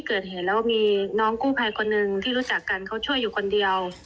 สลับกันกับพี่ผู้ชายคนหนึ่งที่ใส่หมวกนี้